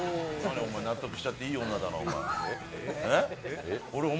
納得しちゃっていい女だな、お前。